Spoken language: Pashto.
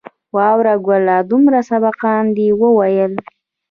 وراره گله دومره سبقان دې وويل.